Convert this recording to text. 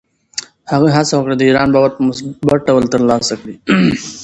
هغه هڅه وکړه، د ایران باور په مثبت ډول ترلاسه کړي.